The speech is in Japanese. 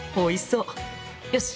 よし！